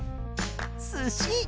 すし。